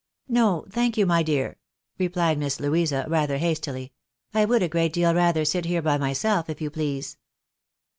"No, thank you, my dear," replied Miss Louisa, rather hastily. " I would a great deal rather sit here by myself, if you please."